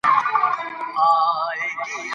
خلکو به د هغې قبر جوړ کړی وي.